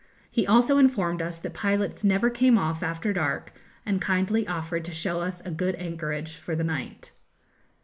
He also informed us that pilots never came off after dark, and kindly offered to show us a good anchorage for the night.